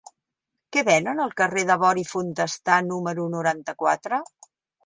Què venen al carrer de Bori i Fontestà número noranta-quatre?